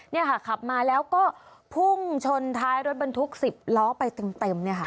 นี่ค่ะขับมาแล้วก็พุ่งชนท้ายรถบันทุกข์๑๐ล้อไปเต็ม